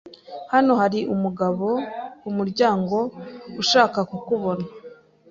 Hano hari umugabo kumuryango ushaka kukubona.